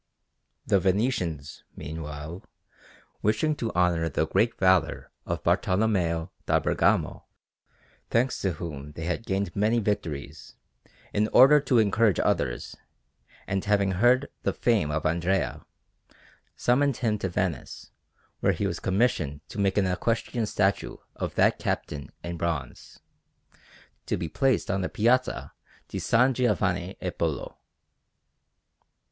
The Venetians, meanwhile, wishing to honour the great valour of Bartolommeo da Bergamo, thanks to whom they had gained many victories, in order to encourage others, and having heard the fame of Andrea, summoned him to Venice, where he was commissioned to make an equestrian statue of that captain in bronze, to be placed on the Piazza di SS. Giovanni e Polo.